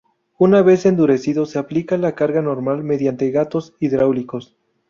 Una vez endurecido, se aplica la carga normal mediante gatos hidráulicos.